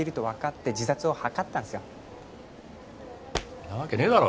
んなわけねえだろ。